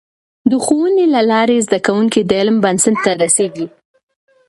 د ښوونې له لارې، زده کوونکي د علم بنسټ ته رسېږي.